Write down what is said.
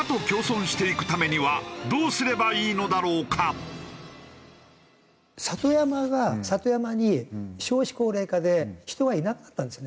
果たして里山が里山に少子高齢化で人がいなくなったんですよね。